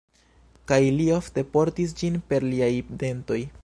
Kaj li ofte portis ĝin per liaj dentoj.